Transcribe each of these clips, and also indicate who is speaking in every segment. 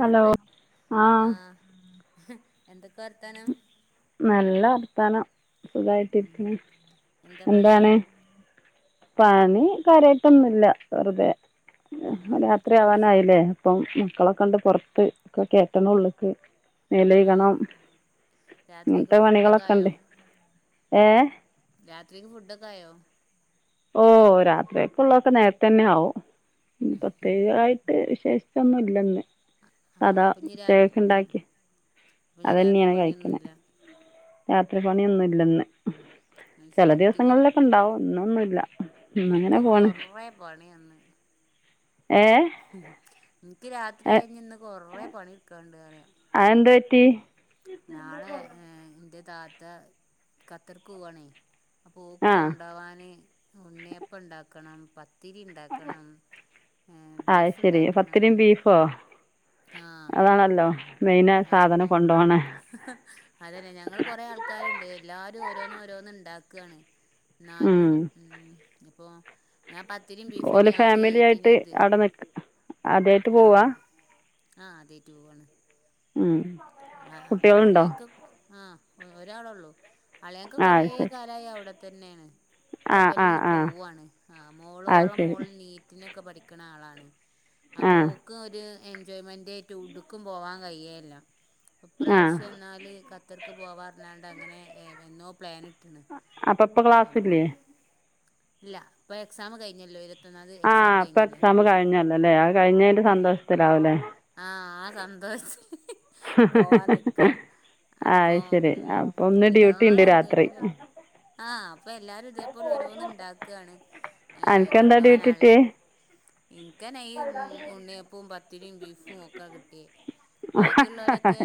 Speaker 1: Hello
Speaker 2: ഹൽ ആഹ് എന്തൊക്കെ വർത്താനം
Speaker 1: നല്ല വർത്താനം
Speaker 2: ഉം
Speaker 1: സുഖായിട്ടിരിക്ക്ന്
Speaker 2: എന്താ പണി
Speaker 1: എന്താണ് പണി കാര്യായിട്ടൊന്നുല്ല വെറുതെ
Speaker 2: ഉം
Speaker 1: രാത്രി
Speaker 2: അത് ശരി
Speaker 1: ആവാനായില്ലേ പ്പം മക്കളൊക്കെണ്ട് പൊറത്ത് ഒക്കെ കേറ്റണം ഉള്ള്ക്ക് മേലെയ്കണം
Speaker 2: ആഹ്
Speaker 1: ഇങ്ങത്തെ
Speaker 2: രാത്രിക്കുള്ള ഫുഡൊക്കെ ആയോ
Speaker 1: പണികളൊക്കെണ്ട് ഏഹ്
Speaker 2: രാത്രിക്ക് ഫുഡൊക്കായോ
Speaker 1: ഓഹ് രാത്രിയക്കുള്ളതൊക്കെ നേരത്തെന്നെ ആവും പ്രത്യേകായി ടെ വിശേഷിച്ചൊന്നുല്ലന്ന്
Speaker 2: ആഹ്
Speaker 1: സദാ
Speaker 2: അപ്പൊ ഇനി രാ ഉം
Speaker 1: കേക്ക്ണ്ടാക്കി
Speaker 2: അപ്പൊ ഇനി രാത്രി
Speaker 1: അതന്നെണ് കഴിക്ക്ണേ
Speaker 2: പണിയൊന്നുല്ല
Speaker 1: രാത്രി പണിയൊന്നുല്ലന്ന്
Speaker 2: അത്
Speaker 1: ചെല
Speaker 2: ശരി ഇൻക്ക് ഇനി
Speaker 1: ദിവസങ്ങളിലൊക്കെണ്ടാവും ഇന്നൊന്നുല്ല ഇന്നങ്ങനെ
Speaker 2: ഇൻക്ക്
Speaker 1: പോണ്
Speaker 2: കൊറേ പണിയന്ന്
Speaker 1: ഏഹ്
Speaker 2: ഉം ഇൻക്ക് രാത്രി കഴിഞ്ഞന്ന് കൊറെ പണി ഇട്ക്കാണ്ട് അറയാ
Speaker 1: അത് എന്താ പറ്റി
Speaker 2: നാളെ ഏഹ് ഇന്റെ താത്ത ഖത്തർക്ക് പോവാണേ? ഓക്ക്
Speaker 1: ആ
Speaker 2: കൊണ്ടാവാന് ഉണ്ണിയപ്പണ്ടാക്കണം പത്ത് ത്തിരിണ്ടാക്കണം ഏഹ് ബീഫ്ണ്ടാക്കണം.
Speaker 1: ഓഹ്
Speaker 2: ആഹ്
Speaker 1: ആണല്ലോ?
Speaker 2: ആഹ് പ്പോം അതല്ല ഞങ്ങള് കൊറേ ആൾക്കാരുണ്ട്. എല്ലാരും ഓരോന്നോരോന്നുണ്ടാക്കാണ്.
Speaker 1: ഉം
Speaker 2: ന്നാലും ഉം ഇപ്പോ ഞാപ ത്തിരി ബീഫ്
Speaker 1: ഓല്
Speaker 2: തന്ന്യാ ആദ്യ
Speaker 1: ഫാമിലി ആയിട്ട്
Speaker 2: ഏറ്റിനത്
Speaker 1: അവിടെ നിക്ക് ആദ്യായിട്ട് പോവാ
Speaker 2: ആഹ് ആഹ് ആദ്യായിറ്റ് പോവാണ്
Speaker 1: ഉം
Speaker 2: ആഹ് ആഹ്
Speaker 1: കുട്ടികളുണ്ടോ
Speaker 2: അളിയാക്ക ആഹ് ഒ ഒരാളൊള്ളൂ അളിയാക്ക
Speaker 1: ആ
Speaker 2: കൊറേ
Speaker 1: അത് ശരി
Speaker 2: കാലായി അവടെ തന്നെണ് പ്പൊ
Speaker 1: ആ ആ
Speaker 2: ഇവലൊന്ന്
Speaker 1: ആ
Speaker 2: പോവാണ് ആഹ് മോള്
Speaker 1: അത്
Speaker 2: ഓളെ
Speaker 1: ശരി
Speaker 2: മോള് നീ റ്റ്‌നൊക്കെ പഠിക്ക്ണ ആളാണ്. അപ്പൊ
Speaker 1: ആ
Speaker 2: ഓക്ക് ഒരു എൻജോയ്മെന്റയിട്ട് എവ്ടുക്കും പോവാ കഴിയല്ല
Speaker 1: ആ
Speaker 2: അപ്രാവശ്യംന്നാല് ഖ ത്തർക്ക് പോവാറഞ്ഞ്കാണ്ട് അങ്ങനെഏഹ് വെന്നോ പ്ലാന് ഇ
Speaker 1: ആഹ് അപ്പൊ പ്പ ക്ലാസ്ല്ല്ലേ?
Speaker 2: ഇല്ല പ്പൊ എക്സാം കഴിഞ്ഞല്ലോ ഇരു
Speaker 1: ആഹ് പ്പൊ എക്സാം കഴിഞ്ഞല്ലോല്ലേ അഹ് കഴിഞ്ഞേൻ്റെ സന്തോഷത്തിലാവുല്ലേ?
Speaker 2: ആഹ് ആഹ് സന്തോഷ പോവാൻ നിക്കാ അപ്പൊ
Speaker 1: ആഹ് ശരി
Speaker 2: ഉം
Speaker 1: അപ്പൊ ഒന്ന് ഡ്യൂട്ടി ഉണ്ട് രാത്രി
Speaker 2: എല്ലാരുന്തെങ്കിലും ആഹ് അപ്പൊ എല്ലാരും ഇതേപോലെ ഓരോന്ന്ണ്ടാക്കാണ് ഏഹ്
Speaker 1: അനക്കെന്താ
Speaker 2: കൊണ്ടോകാൻ
Speaker 1: ഡ്യൂട്ടി
Speaker 2: ആണല്ല
Speaker 1: കിട്ടിയേ
Speaker 2: ഇൻക്കെന്നെ ഈ ഉം ഉണ്ണിയപ്പോം പത്തിരീം ബീഫും ഒക്കെ കിട്ടിയേ. ബാക്കിള്ളോലോക്കെ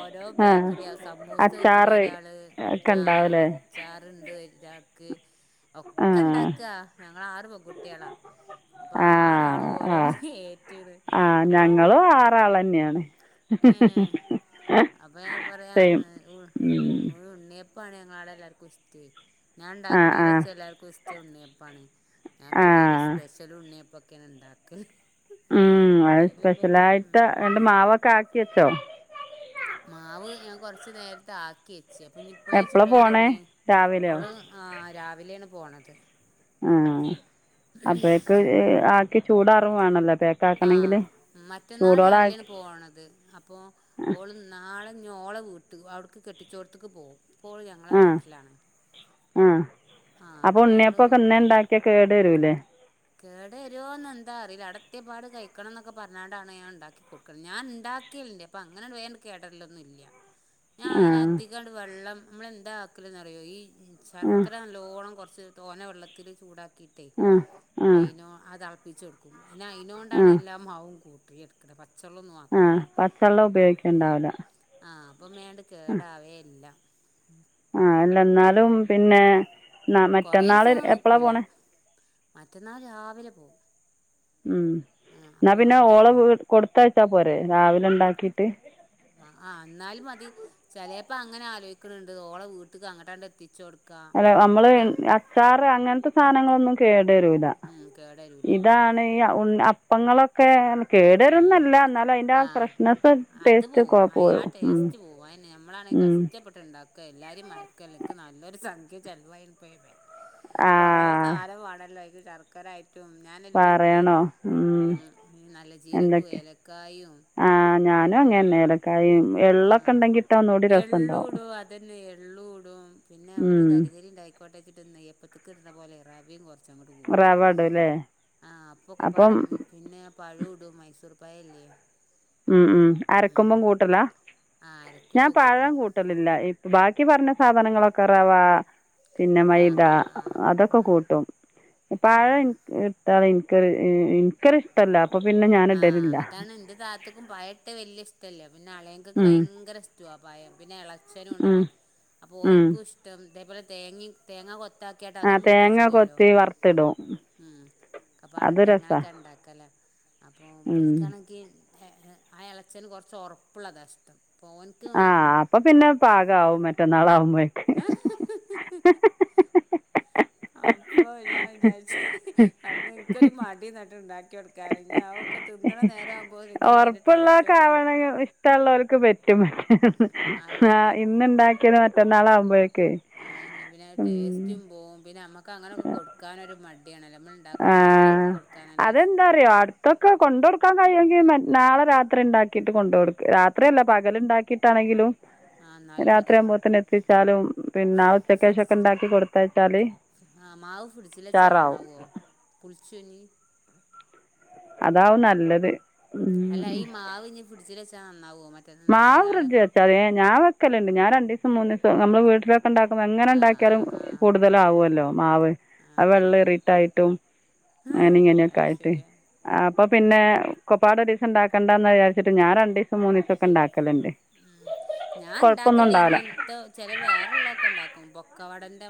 Speaker 2: ഓരോ
Speaker 1: ആഹ്
Speaker 2: ബേക്കറിയ സമൂസ പറ്റ്ണ
Speaker 1: അച്ചാറ്
Speaker 2: ഒരാള്
Speaker 1: ഒക്കെ ഉണ്ടാവുലേ?
Speaker 2: അച്ചാറ് ഇണ്ട് ഒരാക്ക് ഒക്കെ
Speaker 1: ആഹ്
Speaker 2: ഇണ്ടാക്കാ ഞങ്ങളാറ് പെൺകുട്ടികളാ. അപ്പൊ ആറ്
Speaker 1: ആഹ്
Speaker 2: ആളും ഓരോന്ന്
Speaker 1: ആഹ്
Speaker 2: ഏറ്റ്ണ് അപ്പം
Speaker 1: ആൾ തന്നെയാണ്.
Speaker 2: ഏ അപ്പ ഞാൻ പറയാ.
Speaker 1: സെയിം ഉം
Speaker 2: ഉണ്ണി അപ്പാണ് ഞങ്ങളാടെ എല്ലാർക്കും ഇഷ്ട്ടെ ഞാൻ
Speaker 1: ആഹ്
Speaker 2: ഉണ്ടാക്ക്ണേൽ
Speaker 1: ആഹ്
Speaker 2: വെച്ച് എല്ലാർക്കും ഇഷ്ട്ടം ഉണ്ണി അപ്പാണ്. ഞാൻ പിന്നെ
Speaker 1: ആഹ്
Speaker 2: സ്പെ [unintelligible] ത്തലും ഉണ്ണിയപ്പൊക്കെയാണ് ണ്ടാക്കല്.
Speaker 1: ഉം അത് സ്പെഷ്യലായിട്ട്
Speaker 2: ഉം
Speaker 1: ന്നട്ട് മാവൊക്കെ ആക്കി വെച്ചോ?
Speaker 2: മാവ് ഞാൻ കൊറച്ച് നേരത്തെ ആക്കി വെച്ച് അപ്പൊ ഇഞ്ഞ് ഇപ്പളെ
Speaker 1: എപ്പോഴാണ്
Speaker 2: ചുടൽ
Speaker 1: പോണത്
Speaker 2: തോടങ്ങിയ
Speaker 1: രാവിലെയോ
Speaker 2: ഓള് ആ രാവിലെയാണ് പോണത്.
Speaker 1: ആഹ അപ്പഴേക്ക് ആക്കി ചൂടാറും വാണല്ലോ പെക്ക്
Speaker 2: ആഹ മറ്റന്നാൾ രാവിലെയാണ് പോണത് അപ്പോ ഓള് നാളെ ഇഞ്ഞ് ഓളെ വീട്ട് അവിടുക്ക് കെട്ടിച്ചോടത്തേക്ക് പോകും. ഇപ്പോൾ ഞങ്ങളെ
Speaker 1: ആ
Speaker 2: വീട്ടിലാണ്.
Speaker 1: ആ
Speaker 2: ആഹ അപ്പൊ ഞങ്ങള്
Speaker 1: ച്ചാ കേട് വരൂലേ?
Speaker 2: കേടെരോന്ന് എന്താ അറീല്ല അടത്യ പാട് കഴിക്കണംന്നൊക്കെ പറഞ്ഞാണ്ടാണ് ഞാൻ ഇണ്ടാക്കി ഞാൻ ഇണ്ടാകൽണ്ട് അപ്പം അങ്ങനെ വേം കേടൽരോന്നും ഇല്ല. ഞാൻ
Speaker 1: ആ
Speaker 2: അയിന് അധികം വെള്ളം നമൾ എന്താ ആക്കൽന്ന് അറിയോ ഈ
Speaker 1: ആ
Speaker 2: ശർക്കര നലോണം കൊറച്ച് തോന വെള്ളത്തിൽ ചൂടാക്കിയിട്ടേ
Speaker 1: ആ ആ
Speaker 2: അയിനോ അത് അളപ്പിച്ചെടുക്കും. പിന്നെ
Speaker 1: ആ
Speaker 2: അയിനോണ്ടാണ് എല്ലാം മാവും കൂട്ടി എടുക്കുന്നത്. പച്ചള്ളംന്നും
Speaker 1: ആഹ പച്ചവെള്ളം ഉപയോഗിക്കണ്ടാവൂല?
Speaker 2: ആഹ അപ്പം വേം അണ്ട് കേടാവേല്ല.
Speaker 1: ആ അല്ല ന്നാലും പിന്നെ
Speaker 2: കുറേ
Speaker 1: മറ്റന്നാള്
Speaker 2: ദിവസമൊന്നും
Speaker 1: എപ്പളാ
Speaker 2: നിൽക്കൂല
Speaker 1: പോണെ?
Speaker 2: മറ്റന്നാൾ രാവിലെ പോകും.
Speaker 1: ഉം എന്നാ പിന്നെ ഓള കൊടുത്തയച്ചാ പോരെ രാവിലെ ഇണ്ടാക്കിട്ട്-
Speaker 2: ആഹ് ആഹ് എന്നാലും മതി ചിലപ്പോ അങ്ങനെ ആലോചിക്കണ്ണ്ട് ഓള വീട്ടക്ക് അങ്ങട്ടാണ്ട് എത്തിച്ച കൊടു
Speaker 1: അല്ലേ നമ്മള് അച്ചാറ് അങ്ങനത്തെ സാധനങ്ങളൊന്നും കേടരൂല
Speaker 2: ഉം കേടരൂല
Speaker 1: ഇതാണ് ഈ ഉണ്ണി അപ്പം അപ്പങ്ങളൊക്കെ
Speaker 2: ഉം
Speaker 1: കേടുരോന്നുംല്ല എന്നാലും അതിൻ്റെ ആ ഫ്രഷ്നെസ്സ്
Speaker 2: അത്
Speaker 1: ടേസ്റ്റ് ഒക്കെ
Speaker 2: പോവും അയ് ആ
Speaker 1: പോരും-
Speaker 2: ടേസ്റ്റ് പോവും നമ്മളാണെ കഷ്ടപ്പെട്ട് ഇണ്ടാക്ക എല്ലാരിം മാര്ക്ക് അല്ല ഇൻക്ക് നല്ലൊരു സംഖ്യ ചെലവായിണ് ഇപ്പോ അയ്മേൽ-
Speaker 1: ആ
Speaker 2: കൊറെ സാനം വാണല്ലോ അയ്ക്ക് ശർക്കരായി റ്റും ഞാനെല്ലും ഇടുവേ
Speaker 1: പറയണോ ഉം
Speaker 2: മം നല്ല ജീരകവും
Speaker 1: എന്തൊക്കെ
Speaker 2: ഏലക്കായും-
Speaker 1: ആ ഞാനും അങ്ങനെ
Speaker 2: പിന്നെ
Speaker 1: തന്നെ ഏലക്കായും എള്ളൊക്കെ
Speaker 2: ആഹ്
Speaker 1: ഉണ്ടെങ്കിൽ ഇട്ടാൽ ഒന്നുകൂടി രസമുണ്ടാവും
Speaker 2: എള്ളുടും അതന്നെ എള്ളൂടും പിന്നെ ഒരു
Speaker 1: ഉം
Speaker 2: തരിതരി ഉണ്ടായിക്കോട്ടേച്ചിട്ട് നെയ്യപ്പത്ത്ക്ക് ഇട് ണ പോലെ റവിം കൊർ ച്ചങ്ങോട്ട് കൂട്ടും
Speaker 1: റവ ഇടും അല്ലേ
Speaker 2: ആഹ് അപ്പൊക്കെപ്പാടെ
Speaker 1: അപ്പം
Speaker 2: പിന്നെ പഴുടും മൈസൂർ പഴല്ലേ-
Speaker 1: ഉം ഉം
Speaker 2: ഉം
Speaker 1: അരക്കുമ്പം കൂട്ടല
Speaker 2: ആഹ്
Speaker 1: ഞാൻ
Speaker 2: അരക്കുമ്പോ
Speaker 1: പഴം കൂട്ടും കൂട്ടൽല്ല ബാക്കി പറഞ്ഞ സാധനങ്ങളൊക്കെ റവാ പിന്നെ
Speaker 2: ആഹ്
Speaker 1: മൈദ
Speaker 2: ആഹ് ആഹ്
Speaker 1: അതൊക്കെ
Speaker 2: ആഹ്
Speaker 1: കൂട്ടും പഴം
Speaker 2: ആഹ്
Speaker 1: ഇൻക് ഇൻക്കൊര് ഇഷ്ട്ടല്ല അപ്പൊ പിന്നെ ഞാൻ ഇടലില്ല.
Speaker 2: ക്കും പഴട്ട് വലിയ ഇഷ്ട്ടല്ല പിന്നെ അളിയാക്കാക്ക്
Speaker 1: ഉം
Speaker 2: ഭയങ്കര ഇഷ്ട്ടാ ആഹ് പയം പിന്നെ ച്ഛനും
Speaker 1: ഉം
Speaker 2: ഇണ്ടാടെ അപ്പോ
Speaker 1: ഉം
Speaker 2: ഓന്ക്കും ഇഷ്ടം ഇതേപോലെ തേങ്ങിം- തേങ്ങ കൊത്താക്കിട്ട്
Speaker 1: ആ
Speaker 2: അതും
Speaker 1: തേങ്ങ
Speaker 2: മൂപ്പിച്ചിടുല്ലോ?
Speaker 1: കൊത്തി [unintelligible]
Speaker 2: ഒക്കെപ്പാടെ
Speaker 1: അത്
Speaker 2: ഇട്ട്
Speaker 1: രസമാണ്
Speaker 2: അങ്ങനെയൊക്കെ ഇണ്ടാക്കലാ- അപ്പോൾ
Speaker 1: ഉം
Speaker 2: ബൽക്കാണെങ്കിൽ ആഹ് എളച്ചന് കൊർച്ച് ഒർപ്പുള്ളതാ ഇഷ്ടം- അപ്പൊ ഓൻക്ക്
Speaker 1: ആഹ് അപ്പൊ പിന്നെ പാകം ആവും, മറ്റന്നാൾ ആവുമ്പഴോക്ക്-
Speaker 2: ആഹ്
Speaker 1: [unintelligible]
Speaker 2: അപ്പൊ ഞാൻ
Speaker 1: ഹ്
Speaker 2: വിചാരിച്ച്
Speaker 1: ഹ്
Speaker 2: അവിടുന്ന്
Speaker 1: ഹ് ഹ്
Speaker 2: ഇനക്കൊരു മടി നട്ട് ഉണ്ടാക്കി കൊടുക്കും. കരഞ്ഞ് ആ ഒക്കെ തിന്നണ നേര ആവുമ്പോത്തേക്ക് അതിന്റെ ടേസ്റ്റ് ഒക്കെ പോവും.
Speaker 1: മറ്റുള്ളവർക്ക് പറ്റും ആഹ്
Speaker 2: അതന്നെ
Speaker 1: ഇന്നുണ്ടാക്കിയത് മറ്റന്നാളാകുമ്പോഴേക്കെ.
Speaker 2: ആഹ് എന്നാ പിന്നെ ടേസ്റ്റും പോകും. പിന്നെ അമ്മക്ക് അങ്ങനെയൊക്കെ കൊടുക്കാനൊരു മടിയാണല്ലോ അമ്മൾ
Speaker 1: ആ
Speaker 2: ഉണ്ടാക്കുമ്പോ നല്ലേക്ക് കൊടുക്കാനല്ലേ ഇഷ്ടം.
Speaker 1: ഇതൊക്കെ കൊണ്ട് കൊടുക്കാൻ കഴിയുമെങ്കി നാളെ രാത്രി ഉണ്ടാക്കിയിട്ട് കൊണ്ട് കൊടുക്ക്. രാത്രിയല്ല പകൽ ഉണ്ടാക്കിയിട്ടാണെങ്കിലും.
Speaker 2: ആ എന്നാലും മതി
Speaker 1: രാത്രിയാകുമ്പോത്തനെ എത്തിച്ചാലും. പിന്നെ ആ ഉച്ചക്ക് ശേഷമൊക്കെ ഉണ്ടാക്കി കൊടുത്തയച്ചാല്
Speaker 2: ആഹ് മാവ് ഫ്രിഡ്ജിൽ വെച്ചാ നന്നാവോ പുളിച്ചുനി
Speaker 1: അതാവും നല്ലത്.
Speaker 2: അല്ല ഈ
Speaker 1: ഉം
Speaker 2: മാവ് ഇനി ഫ്രിഡ്ജില് വച്ചാ നന്നാവോ മറ്റേ നാളെ
Speaker 1: മാവ് ഫ്രിഡ്ജിൽ
Speaker 2: രാവിലെക്കെ
Speaker 1: വെച്ചാ മതി. ഞാൻ വെക്കല്ലുണ്ട്. ഞാൻ രണ്ടു ദിവസം മൂന്ന് ദിവസം നമ്മള് വീട്ടില ഉണ്ടാക്കുന്ന എങ്ങനെ
Speaker 2: ആ ആ
Speaker 1: ഉണ്ടാക്കിയാലും
Speaker 2: ആ
Speaker 1: കൂടുതല് ആവുമല്ലോ മാവ്.
Speaker 2: ആ
Speaker 1: അവ വെള്ളം
Speaker 2: അതന്നെ
Speaker 1: എറിട്ടായിട്ടും. അങ്ങനെ ഇങ്ങനെയക്കെ
Speaker 2: അത്
Speaker 1: ആയിട്ട്.
Speaker 2: ശരിയാ
Speaker 1: അപ്പൊ പിന്നെ കൊപ്പാട് ഒരു ദിവസം ഉണ്ടാക്കണ്ടാന്നന്ന് വിചാരിട്ട് ഞാൻ രണ്ടു ദിവസം മൂന്ന് ദിവസം ഒക്കെ ഉണ്ടാക്കലണ്ട്.
Speaker 2: ആഹ് ഞാൻ ഉണ്ടാക്കല് ഇങ്ങനത്തെ ചെല വേറ ഉള്ളതൊക്കെ ഉണ്ടാക്കുമ്പോ. കവാടന്റെ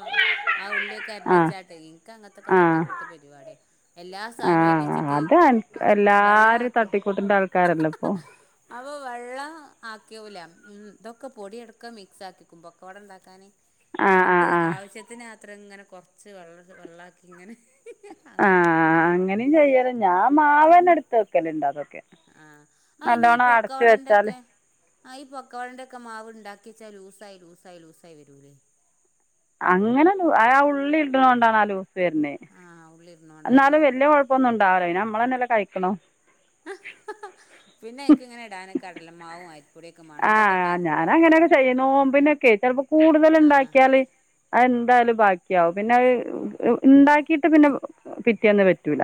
Speaker 2: ആ ഉള്ളിയൊക്കെ അരിഞ്ഞു
Speaker 1: ആ
Speaker 2: വച്ചാട്ട് ഇനക്ക് അങ്ങനത്തൊക്കെ
Speaker 1: ആ
Speaker 2: തട്ടിക്കൂട്ട് പരിപാടിയ- എല്ലാ
Speaker 1: ആ
Speaker 2: സാധനവും അരിഞ്ഞു വച്ചിട്ട്
Speaker 1: അത്
Speaker 2: വെള്ള
Speaker 1: എല്ലാവരും
Speaker 2: ആക്കൂം-
Speaker 1: തട്ടിക്കൂട്ടിൻ്റെ ആൾക്കാരല്ലേ ഇപ്പോൾ
Speaker 2: അവ വെള്ള ആക്കൂല ഉം ഇതൊക്കെ പൊടി എടുക്കാ മിക്സ് ആക്കിക്കും പക്കവട ഉണ്ടാക്കാന്
Speaker 1: ആ
Speaker 2: എന്നിട്ട്-
Speaker 1: ആ
Speaker 2: ട്ട്
Speaker 1: ആ
Speaker 2: ആവശ്യത്തിന് അത്ര ഇങ്ങനെ കുറച്ച് വെള്ള വെള്ളക്കി ഇങ്ങനെ. അങ്ങനെ ഉണ്ടാക്കും.
Speaker 1: ആഹ് അങ്ങനെയും ചെയ്യല് ഞാൻ മാവനടുത്ത് വെക്കല് ഇണ്ട് അതൊക്കെ.
Speaker 2: ആഹ് അയ്നി
Speaker 1: നല്ലോണം
Speaker 2: പൊക്ക
Speaker 1: അടച്ച് വെച്ചാല്
Speaker 2: വടന്റെക്കെ. ആഹ് ഈ പക്കാവടയന്റെ ഒക്കെ മാവ് ഉണ്ടാക്കി വെച്ചാൽ ലൂസായി ലൂസായി ലൂസായി വരൂല്ലേ.
Speaker 1: അങ്ങനെ ലൂ ആ ഉള്ളി ഇടണ കൊണ്ടാണ് ആ ലൂസ് വരണേ.
Speaker 2: ആഹ് ഉള്ളി.
Speaker 1: ന്നാലും വല്യ കൊ ഴപ്പമൊന്നുണ്ടാവില്ല പിന്നെ നമ്മള് തന്നെയല്ലേ കഴിക്കണതും
Speaker 2: പിന്നെ അയ്ക്ക് ഇങ്ങനെ ഇടാന് കടലമാവും അരി
Speaker 1: ആ ഞാൻ അങ്ങനെയൊക്കെ ചെയ്യും നോമ്പിനൊക്കെ ചെലപ്പോ കൂടുതല്
Speaker 2: ആഹ്
Speaker 1: ഉണ്ടാക്കിയാല് അത് എന്തായാലും ബാക്കിയാവും. പിന്നെ അഹ് ഉണ്ടാക്കിട്ട് പിന്നെ പിറ്റേന്ന് പറ്റൂല.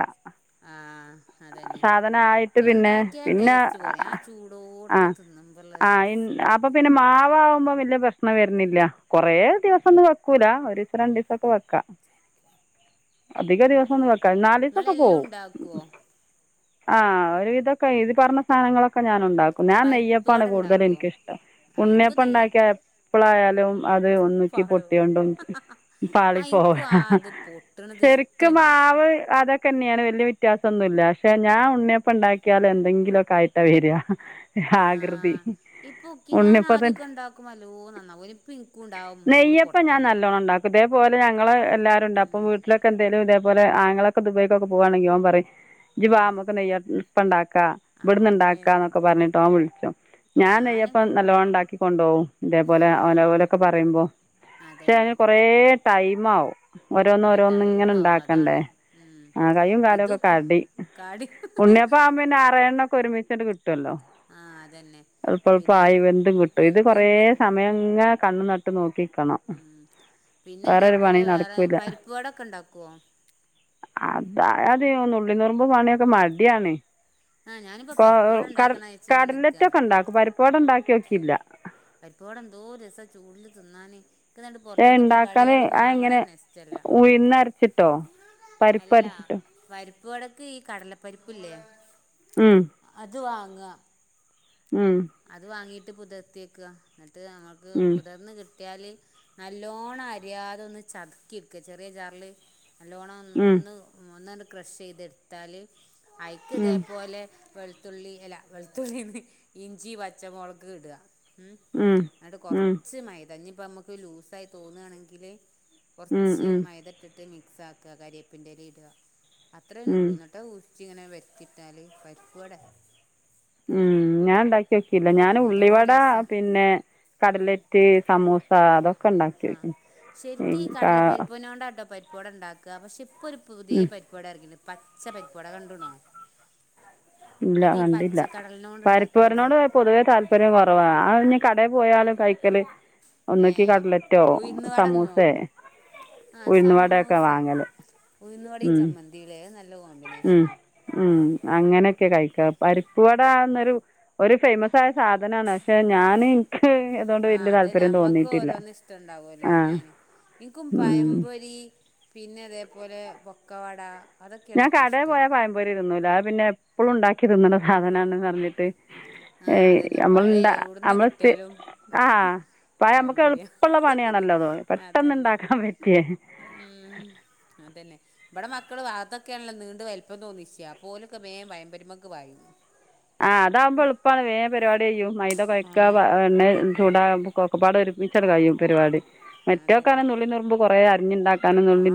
Speaker 2: ആഹ് അതന്നെ.
Speaker 1: സാധനം ആയിട്ട് പിന്നെ
Speaker 2: ഇണ്ടാക്കിയ
Speaker 1: പിന്നെ
Speaker 2: ടേസ്റ്റ് കൊറയും. ആ ചൂടോട്ക്കെ തിന്നുമ്പൊള്ളെ
Speaker 1: ആഹ് അപ്പൊ പിന്നെ മാവ് ആവുമ്പോ വലിയ പ്രശ്നം വരുന്നില്ല. കൊറേ ദിവസൊന്നും വെക്കൂല ഒരുസം രണ്ടസം ഒക്കെ വെക്കാ.
Speaker 2: ശരി.
Speaker 1: അധിക ദിവസം ഒന്ന് വെക്കാ നാലിസൊക്കെ
Speaker 2: ഇങ്ങളെല്ലും
Speaker 1: പോവും.
Speaker 2: ഇണ്ടാക്കോ
Speaker 1: ആഹ് ഒരു വിധോക്കെ ഇത് പറഞ്ഞ സാധനങ്ങളൊക്കെ ഞാൻ ഉണ്ടാക്കും ഞാൻ
Speaker 2: പരിപ്പ്
Speaker 1: നെയ്യപ്പാണ്
Speaker 2: വട
Speaker 1: കൂടുത [unintelligible]
Speaker 2: ഇണ്ടാക്കോ
Speaker 1: എനിക്കിഷ്ടം
Speaker 2: ആഹ് ഇൻക്കും
Speaker 1: ഉണ്ണിയപ്പം
Speaker 2: നെയ്യ്
Speaker 1: ഉണ്ടാക്കിയ എപ്പളായാലും അത് ഒന്നിക്കി
Speaker 2: പാളോ
Speaker 1: പൊട്ടിയൊണ്ടും. പാളി
Speaker 2: ആഹ്
Speaker 1: പോവാ
Speaker 2: ഇൻക്കും ആത് പൊട്ട്ണത്
Speaker 1: ശരിക്കും
Speaker 2: ഇഷ്ടല്ല
Speaker 1: മാവ് അതൊക്കെ. ക്കെന്നെയാണ് വല്യ വ്യത്യാസം ഒന്നുല്ല പക്ഷെ ഞാൻ ഉണ്ണിയപ്പം ഉണ്ടാക്കിയാല് എന്തെങ്കിലൊക്കെ ആയിട്ടാ വര ആകൃതി
Speaker 2: ആഹ് ഇപ്പൊ ഒക്കി ഞാൻ ആദ്യോക്കെ
Speaker 1: ഉണ്ണിയപ്പത്തിന്
Speaker 2: ഉണ്ടാക്കുമ്പൊ നല്ലോം നന്നാവോ യ്നിം ഇപ്പ ഇൻകൂണ്ട് ആ മൂട് പൊട്ടല്
Speaker 1: ഇതേ പോലെ ഞങ്ങള് എല്ലാരുണ്ട് അപ്പം
Speaker 2: ഉം
Speaker 1: വീട്ടില് ക്കെ എന്തേലും ഇതേപോലെ ആങ്ങൊളൊക്കെ ദുബായിക്കൊക്കെ പോവാണെങ്കിൽ ഓൻ പറയും ഇജി വാ
Speaker 2: ഉം
Speaker 1: നമക്ക് നെയ്യാ പ്പണ്ടാക്ക ഇവിടുന്ന് ഇണ്ടാക്കാ
Speaker 2: അങ്ങന്നെ
Speaker 1: എന്നൊക്കെ പറഞ്ഞിട്ട് ഓൻ വിൾച്ചും ഞാൻ നെയ്യപ്പം
Speaker 2: ഞാനിപ്പം
Speaker 1: നല്ലോണം ഉണ്ടാക്കി കൊണ്ടോവും ഇതേപോലെ ഓലെ
Speaker 2: ആഹ്
Speaker 1: ഓലൊക്കെ പറയുമ്പം ക്ഷേ
Speaker 2: അതന്നെ
Speaker 1: അയ്ന് കൊറേ ടൈമാവും ഓരോന്ന്
Speaker 2: കൊറെ
Speaker 1: ഓരോന്ന്
Speaker 2: ടൈം
Speaker 1: ഇങ്ങനെ
Speaker 2: ആവും
Speaker 1: ഇണ്ടാക്കണ്ടേ
Speaker 2: അതാണ് ഉം
Speaker 1: ആ കയ്യും കാലൊക്കെ
Speaker 2: ഇതുപ്പ
Speaker 1: കടിം
Speaker 2: കടി
Speaker 1: ഉണ്ണിയപ്പാവുമ്പോന്നെ ആറേഴെണ്ണം ഒക്കെ ഒരുമിച്ചങ്ങ് കിട്ടുവല്ലോ
Speaker 2: ആഹ് അതന്നെ
Speaker 1: എളപ്പളപ്പം
Speaker 2: പിന്നെ
Speaker 1: ആയി വെന്തും കിട്ടും ഇത്
Speaker 2: എനിക്കും
Speaker 1: കൊറേ
Speaker 2: ഇപ്പ
Speaker 1: സമയങ്ങ കണ്ണ് ന ട്ട് നോക്കിക്കണം
Speaker 2: ഉം പിന്നെ
Speaker 1: വേറൊരു
Speaker 2: അതേപോലെ
Speaker 1: പണി
Speaker 2: വേറെ
Speaker 1: നടക്കൂല്ല
Speaker 2: പരിപ്പ് വടൊക്കെ ഉണ്ടാക്കുവോ
Speaker 1: അത അതെയ നുള്ള് നുറുമ്പ് പണിയൊക്കെ മടിയാണ്
Speaker 2: ആഹ് ഞാനിപ്പോ പരിപ്പ് വട ഇണ്ടാക്കണോ വെച്ച്ങ്ങനെ നിക്ക
Speaker 1: ഇണ്ടാക്കും പരിപ്പ് വട ഇണ്ടാക്കിനോക്കിയില്ല
Speaker 2: പരിപ്പ് വട എന്തോരസ ചൂടില് തിന്നാന് ഇക്ക്ന്നട്ട്
Speaker 1: ഏഹ്
Speaker 2: പൊറത്ത്ന്ന് ഇപ്പോ
Speaker 1: ഇണ്ടാക്കാന്
Speaker 2: കടേള്
Speaker 1: അഹ് എങ്ങനെ
Speaker 2: മാങ്ങണന്നെ ഇഷ്ടല്ല
Speaker 1: ഉയ്ന്ന് അരച്ചിട്ടോ പരിപ്പരച്ചിട്ട്
Speaker 2: പരിപ്പ് വടക്ക് ഈ കടലപ്പരിപ്പില്ലേ
Speaker 1: മ്മ്ഹ്
Speaker 2: അത് വാങ്ങ
Speaker 1: മ്മ്ഹ്
Speaker 2: അത് വാങ്ങീട്ട് പുതിർത്തി വെക്ക എന്നിട്ട് മ്മൾക്ക്
Speaker 1: ഉം
Speaker 2: പുതിർന്ന് കി കിട്ടിയാല് നല്ലോണം അരിയാതെ ഒന്ന് ചതുക്കി എടുക്ക ചെറിയ ജാറില് നല്ലോണം ഒന്ന്
Speaker 1: ഉം
Speaker 2: ഒന്ന് ഒന്നങ്ങ് ക്രഷ് ചെയ്തെടുത്താല്
Speaker 1: ഉം
Speaker 2: അയിക്കിതേപോലെ വെളുത്തുള്ളി അല്ലാ വെളുത്തുള്ളിന്ന് ഇഞ്ചി പച്ചമുളക് ഇട
Speaker 1: ഉം
Speaker 2: എന്നിട്ട്
Speaker 1: ഉം
Speaker 2: കൊറച്ച് മൈദ ദ ഇട ഇനി ഇപ്പ നമുക്ക് ലൂസായി തോന്നുകാണെങ്കില്
Speaker 1: ഉം
Speaker 2: കൊറച്ച്
Speaker 1: ഉം
Speaker 2: മൈതട്ടിട്ട് മിക്സ് ആക്കി ക്ക കരിയപ്പിന്റെലെട അത്രേന്നെ
Speaker 1: ഉം
Speaker 2: ഉള്ളൂ [unintelligible] ഇങ്ങനെ വറ്റിട്ടാല് പരിപ്പ് വട ആയി
Speaker 1: മ്മ്ഹ് ഞാൻ ഇണ്ടാക്കി നോക്കീല്ല ഞാൻ
Speaker 2: എന്തോ
Speaker 1: ഉള്ളിവട
Speaker 2: രസമാണ്
Speaker 1: പിന്നെ കടലെറ്റ് സമൂസ അതൊക്കെ ഇണ്ടാക്കി നോക്കിണ്
Speaker 2: ശരിക്കും ഈ കടല പരിപ്പൊന കൊണ്ടാട്ടോ പരിപ്പാട ഇണ്ടാക്ക പക്ഷെ ഇപ്പൊ ഒരു പുതിയ
Speaker 1: ഉം
Speaker 2: പരിപ്പോട എറങ്ങിരിക്കന് പച്ച പരിപ്പട കണ്ടുണോ
Speaker 1: ഇല്ല
Speaker 2: അതീ
Speaker 1: കണ്ടില്ല
Speaker 2: പച്ചക്കടലിന കൊണ്ടിണ്ടാക്ക
Speaker 1: [unintelligible] പൊതുവേ താല്പര്യം കുറവാ ആ കടയിൽ പോയാലും കൈക്കല് ഒന്നക്കി
Speaker 2: ഏഹ്
Speaker 1: കട്ലറ്റോ
Speaker 2: ഉഴുന്നുവടന്നോ
Speaker 1: സമൂസേ
Speaker 2: ആഹ്
Speaker 1: ഉയ്ന്ന് വടക്കെ
Speaker 2: സമൂസ
Speaker 1: വാങ്ങല് മ്മ്ഹ്
Speaker 2: നല്ല നല്ല കോമ്പി
Speaker 1: മ്മ്ഹ് മ്മ്ഹ് അങ്ങനെക്കെ കഴിക്കാ പരിപ്പൊടാന്നൊരു ഒരു ഫേമസ് ആയ സാധനാണ് പക്ഷെ ഞാന്
Speaker 2: ആഹ് അതന്നെ മ്മക്ക് ഓരോന്ന് ഇഷ്ടണ്ടാവോല്ലോ
Speaker 1: ആ
Speaker 2: അങ്ങനെ എനിക്കും പയമ്പൊരി പിന്നെ അതേപോലെ പൊക്കവട അതൊക്കെയാനെറ്റോം ഇഷ്ടം
Speaker 1: ഓര് തിന്നൂല്ല അപിന്നെ എപ്പോഴും ഇണ്ടാക്കിതിന്നണ സാധനാണെന്ന് പറഞ്ഞിട്ട്
Speaker 2: ആഹ്
Speaker 1: ഏയ്
Speaker 2: അതന്നെ പഴയ
Speaker 1: നമ്മൾന്താ
Speaker 2: എവിടുന്ന്
Speaker 1: നമ്മള് സ്
Speaker 2: കിട്ടിയാലും
Speaker 1: ആഹ് പയ നമ്മുക്ക്
Speaker 2: പഴംപൊരിയോ
Speaker 1: എളുപ്പോള്ള പണിയാണല്ലോ പെട്ടെന്ന് ഇണ്ടാക്കാൻ പറ്റിയേ
Speaker 2: മ്മ്ഹ് അതന്നെ ഇവിടെ മക്കൾ അതൊക്കെയാണല്ലോ നീണ്ട വലിപ്പം തോന്നിച്ചേ അപ്പൊ ഓലൊക്കെ വേഗം പയംപൊരിമ്മക്ക് പായും
Speaker 1: ഇതാകുമ്പോ എളുപ്പാണ് വേം പരിവാടി കയ്യും മൈത കൊയക്ക
Speaker 2: ഉം
Speaker 1: എണ്ണെ
Speaker 2: അതന്നെ
Speaker 1: ചൂടാ ഒക്കപ്പാട ഒരുമിച്ചങ്ങ് കയും പരിപാടി മറ്റൊക്ക
Speaker 2: അതന്നെ
Speaker 1: നുള്ളിനുറുമ്പ് കൊറേ അരിഞ്ഞുണ്ടാക്ക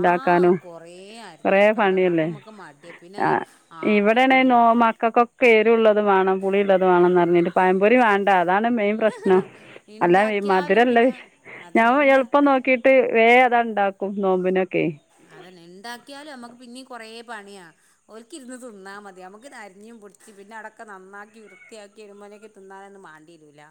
Speaker 2: ആ കൊറേ
Speaker 1: കൊറേ
Speaker 2: അരിഞ്ഞൊക്കെ ഉണ്ടാക്കണം അപ്പൊ
Speaker 1: പണിയല്ലേ
Speaker 2: നമുക്ക് മടിയ പിന്നെ ആ
Speaker 1: ഇവിടെണ
Speaker 2: ഇൻ
Speaker 1: നോ മ ക്കക്കൊക്കെ എരുള്ളതും വേണം പുളിയൊള്ളത്
Speaker 2: ആ
Speaker 1: വേണംന്ന്റിഞ്ഞിട്ട് പയംപൊരി വേണ്ട അതാണ് മെയിൻ പ്രശ്നം അല്ല
Speaker 2: ഇണ്ടാക്കിയാലും
Speaker 1: മധുരല്ല
Speaker 2: പിന്നെ
Speaker 1: ഞാൻ
Speaker 2: അതന്നെ ഇന്താ
Speaker 1: എളുപ്പം നോക്കിട്ട് വേം അതണ്ടാക്കും നോമ്പിനൊക്കെ
Speaker 2: അതന്നെ ഇണ്ടാക്കിയാലും നമ്മുക്ക് പിണ്നീം കൊറ പണിയാ ഓര്ക്ക ഇരുന്ന് തിന്നാ മതി നമുക്ക് അരിഞ്ഞും പിടിച്ച് പിന്നെ അടൊക്ക നന്നാക്കി വൃത്തിയാ തിരുമ്പോലേക്ക് തിന്നാനൊന്നും മാണ്ടിയിലൂല്ല